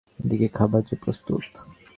এ দিকে খাবার যে প্রস্তুত।